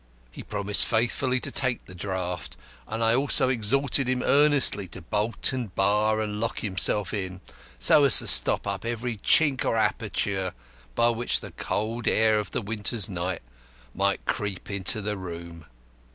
He promised faithfully to take the draught; and I also exhorted him earnestly to bolt and bar and lock himself in so as to stop up every chink or aperture by which the cold air of the winter's night might creep into the room.